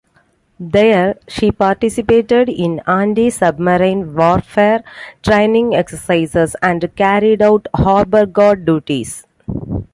There, she participated in antisubmarine warfare training exercises and carried out harbor guard duties.